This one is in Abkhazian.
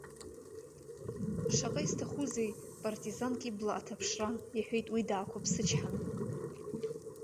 Шаҟа исҭахузеи партизанк ибла аҭаԥшра, иҳәеит уи даақәыԥсычҳан.